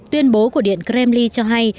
tuyên bố của điện kremlin cho hay